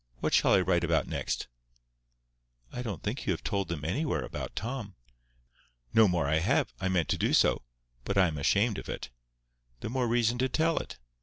What shall I write about next?" "I don't think you have told them anywhere about Tom." "No more I have. I meant to do so. But I am ashamed of it." "The more reason to tell it."